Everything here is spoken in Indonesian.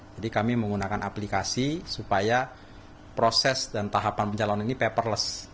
jadi kami menggunakan aplikasi supaya proses dan tahapan pencalon ini paperless